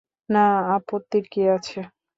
না, আপত্তির কী আছে?